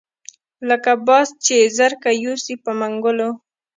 لکه باز چې زرکه یوسي په منګلو